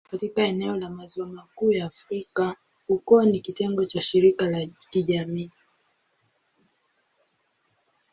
Katika eneo la Maziwa Makuu ya Afrika, ukoo ni kitengo cha shirika la kijamii.